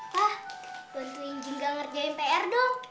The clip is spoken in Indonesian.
pak bantuin jengga ngerjain pr dong